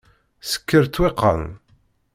Sekkeṛ ṭṭwiqan.